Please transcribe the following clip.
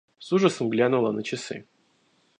С ужасом глянула на часы.